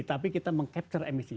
tapi kita meng capture emisi